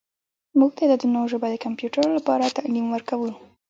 موږ د عددونو ژبه د کمپیوټر لپاره تعلیم ورکوو.